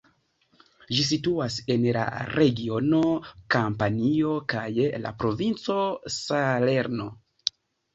Ĝi situas en la regiono Kampanio kaj la provinco Salerno.